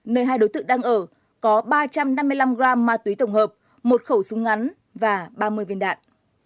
nơi hai đối tượng đang ở có ba trăm năm mươi năm gram ma túy tổng hợp một khẩu súng ngắn và ba mươi viên đạn